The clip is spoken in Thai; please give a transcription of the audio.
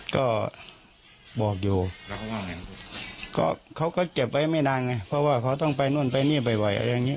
ก็บอกอยู่แล้วเขาว่าไงก็เขาก็เก็บไว้ไม่นานไงเพราะว่าเขาต้องไปนู่นไปนี่บ่อยอะไรอย่างงี้